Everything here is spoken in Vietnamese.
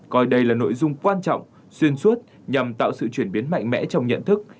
coi đây là nội dung quan trọng xuyên suốt nhằm tạo sự chuyển biến mạnh mẽ trong nhận thức